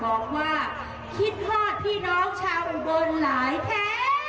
บอกว่าคิดว่าพี่น้องชาวอุบลหลายแท้